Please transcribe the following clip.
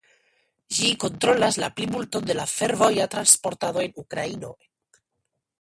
Ĝi kontrolas la plimulton de la fervoja transportado en Ukrainio.